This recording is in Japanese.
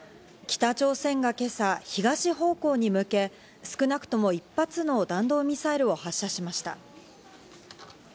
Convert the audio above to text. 北朝鮮が今朝、東方向に向け、少なくとも１発の弾道ミサイルを発射しました。